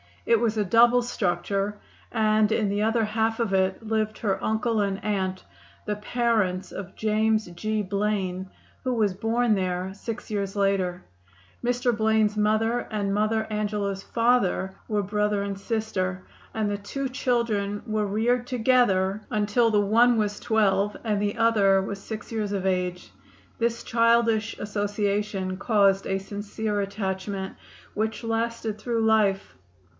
It was a double structure, and in the other half of it lived her uncle and aunt, the parents of James G. Blaine, who was born there six years later. Mr. Blaine's mother and Mother Angela's father were brother and sister, and the two children were reared together until the one was twelve and the other was six years of age. This childish association caused a sincere attachment, which lasted through life.